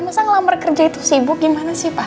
masa ngelamper kerja itu sibuk gimana sih pak